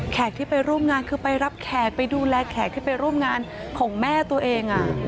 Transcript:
ที่ไปร่วมงานคือไปรับแขกไปดูแลแขกที่ไปร่วมงานของแม่ตัวเอง